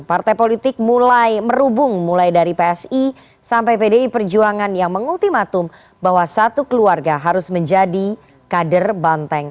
partai politik mulai merubung mulai dari psi sampai pdi perjuangan yang mengultimatum bahwa satu keluarga harus menjadi kader banteng